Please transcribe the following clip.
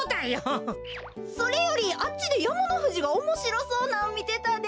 それよりあっちでやまのふじがおもしろそうなんみてたで。